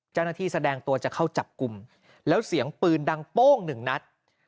เจ้าหน้าที่แสดงตัวจะเข้าจับกุมแล้วเสียงปืนดังโป้ง๑นัด